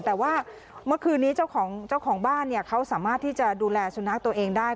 แต่ว่าเมื่อคืนนี้เจ้าของบ้านเขาสามารถที่จะดูแลสุนัขตัวเองได้